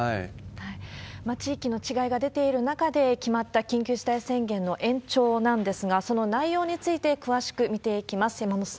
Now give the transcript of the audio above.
地域の違いが出ている中で、決まった緊急事態宣言の延長なんですが、その内容について詳しく見ていきます。